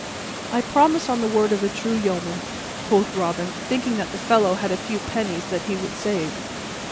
"I promise on the word of a true yeoman," quoth Robin, thinking that the fellow had a few pennies that he would save.